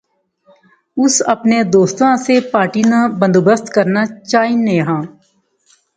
اس اپنے دوستاں آسے پارٹی ناں بندوبست کرنا چاہنے آں